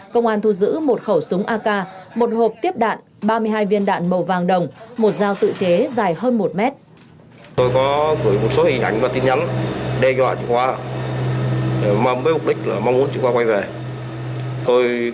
công an thu giữ một khẩu súng ak một hộp tiếp đạn ba mươi hai viên đạn màu vàng đồng một dao tự chế dài hơn một mét